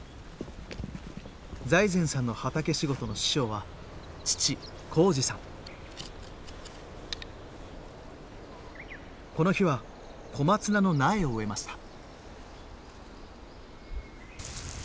財前さんの畑仕事の師匠はこの日は小松菜の苗を植えました。